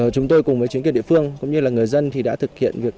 chúng tôi cùng với chính quyền địa phương cũng như là người dân thì đã thực hiện việc